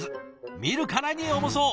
見るからに重そう！